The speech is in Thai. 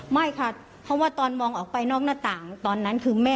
ไม้ก็ยาวค่ะไม่ใช่ด้ามจอบค่ะ